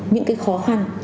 những khó khăn